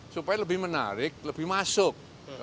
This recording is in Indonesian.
supaya lebih menarik lebih masuk